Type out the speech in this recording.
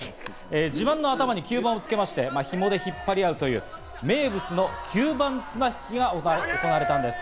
自慢の頭に吸盤をつけまして、ひもで引っ張り合うという名物の吸盤綱引きが行われたんです。